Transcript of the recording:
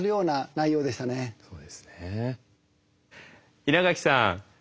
稲垣さん